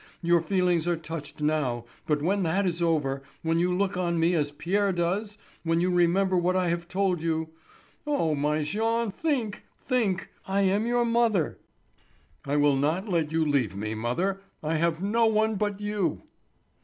Your feelings are touched now, but when that is over, when you look on me as Pierre does, when you remember what I have told you—oh, my Jean, think—think—I am your mother!" "I will not let you leave me, mother. I have no one but you."